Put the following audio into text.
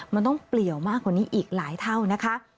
มันต้องเปลี่ยวมากกว่านี้อีกหลายเท่านะคะ